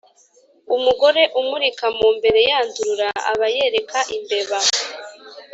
Umugore umurika mu mbere yandurura, aba yereka imbeba.